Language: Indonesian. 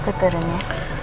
aku turun ya